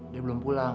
dia belum pulang